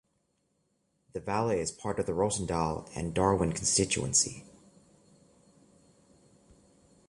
The Valley is part of the Rossendale and Darwen constituency.